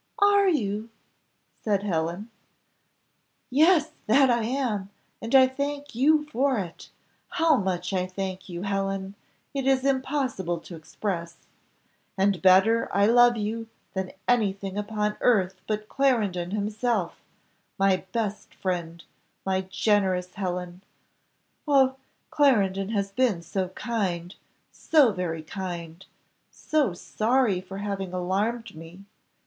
"Are you?" said Helen. "Yes, that I am, and I thank you for it; how much I thank you, Helen, it is impossible to express, and better I love you than anything upon earth but Clarendon himself, my best friend, my generous Helen. Oh, Clarendon has been so kind, so very kind! so sorry for having alarmed me!